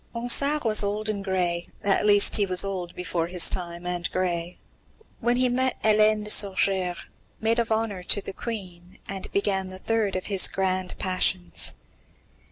Ronsard was old and grey at least, he was old before his time and grey when he met Hélène de Sorgères, maid of honour to the Queen, and began the third of his grand passions.